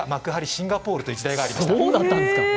シンガポールっていう時代がありました。